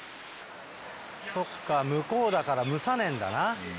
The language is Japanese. そっか向こうだから蒸さねえんだな。